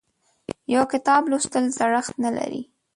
یو کتاب لوستل زړښت نه لري.